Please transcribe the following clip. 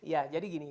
ya jadi gini